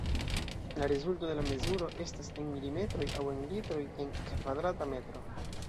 La rezulto de la mezuro estas en milimetroj aŭ en litroj en kvadrata metro.